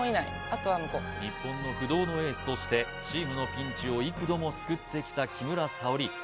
あとは向こう日本の不動のエースとしてチームのピンチを幾度も救ってきた木村沙織